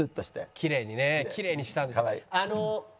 きれいにしたんです。